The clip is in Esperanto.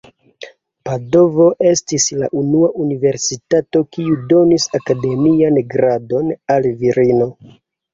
Padovo estis la unua universitato kiu donis akademian gradon al virino.